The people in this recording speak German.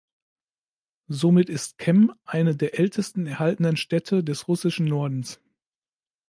Somit ist Kem eine der ältesten erhaltenen Städte des russischen Nordens.